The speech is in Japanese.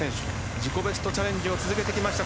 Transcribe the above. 自己ベストチャレンジを続けてきて